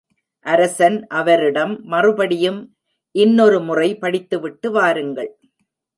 அரசன் அவரிடம் மறுபடியும், இன்னொரு முறை படித்துவிட்டு வாருங்கள்.